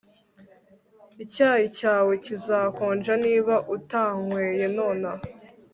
Icyayi cyawe kizakonja niba utanyweye nonaha